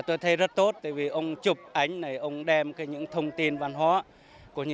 tôi thấy rất tốt vì ông chụp ảnh này ông đem những thông tin văn hóa